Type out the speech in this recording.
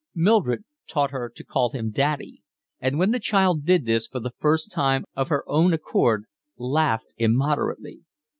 Mildred taught her to call him daddy, and when the child did this for the first time of her own accord, laughed immoderately.